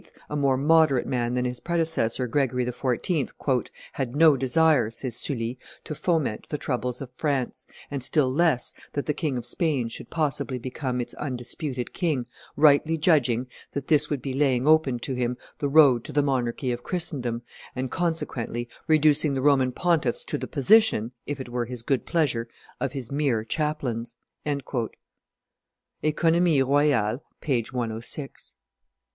a more moderate man than his predecessor, Gregory XIV., "had no desire," says Sully, "to foment the troubles of France, and still less that the King of Spain should possibly become its undisputed king, rightly judging that this would be laying open to him the road to the monarchy of Christendom, and, consequently, reducing the Roman pontiffs to the position, if it were his good pleasure, of his mere chaplains." [OEconomies royales, t. ii. p. 106.